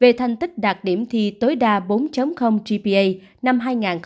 về thành tích đạt điểm thi tối đa bốn gpa năm hai nghìn một mươi hai